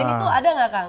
selain itu ada nggak kang